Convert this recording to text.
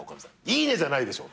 「いいねじゃないでしょ！」